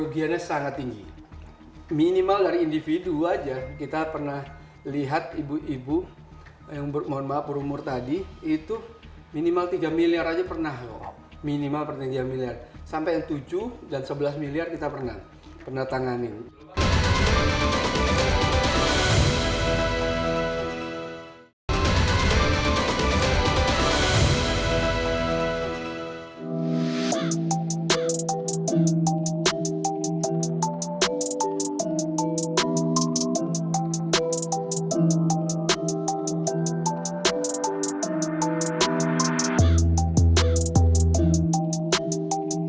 jika anda tidak dapat mengirimkan uang atau foto yang sangat pribadi silakan beri tahu kami di kolom komentar